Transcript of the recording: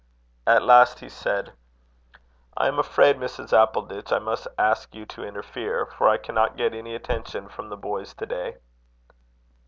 At last he said: "I am afraid, Mrs. Appleditch, I must ask you to interfere, for I cannot get any attention from the boys to day."